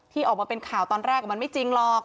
ออกมาเป็นข่าวตอนแรกมันไม่จริงหรอก